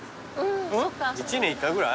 １年１回ぐらい？